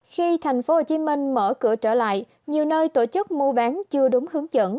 khi thành phố hồ chí minh mở cửa trở lại nhiều nơi tổ chức mua bán chưa đúng hướng dẫn